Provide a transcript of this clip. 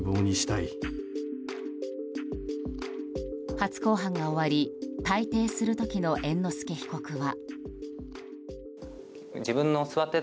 初公判が終わり退廷する時の猿之助被告は。